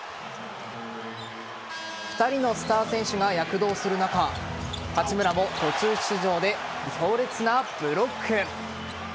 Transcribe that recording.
２人のスター選手が躍動する中八村も途中出場で強烈なブロック。